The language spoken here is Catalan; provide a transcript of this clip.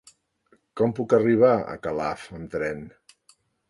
Com puc arribar a Calaf amb tren?